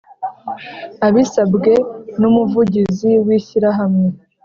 Abisabwe n’ umuvugizi w’ ishyirahamwe